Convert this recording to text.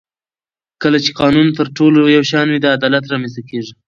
کله چې قانون پر ټولو یو شان وي عدالت رامنځته کېږي